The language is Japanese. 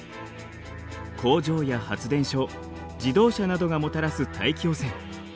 工場や発電所自動車などがもたらす大気汚染。